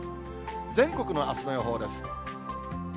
全国のあすの予報です。